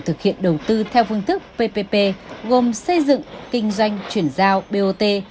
thực hiện đầu tư theo phương thức ppp gồm xây dựng kinh doanh chuyển giao bot